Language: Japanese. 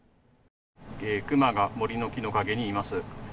クマが森の木の陰にいます。